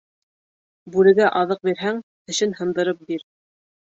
Бүрегә аҙыҡ бирһәң, тешен һындырып бир.